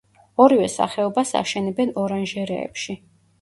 ორივე სახეობას აშენებენ ორანჟერეებში.